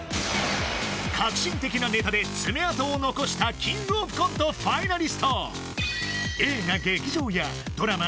革新的なネタで爪痕を残したキングオブコントファイナリスト映画「劇場」やドラマ